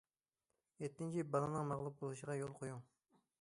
يەتتىنچى، بالىنىڭ مەغلۇپ بولۇشىغا يول قويۇڭ.